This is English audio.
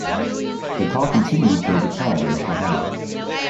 The Kaw continued their decline in Oklahoma.